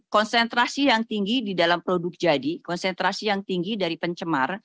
konsentrasi yang tinggi di dalam produk jadi konsentrasi yang tinggi dari pencemar